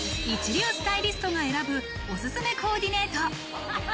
一流スタイリストが選ぶおすすめコーディネート。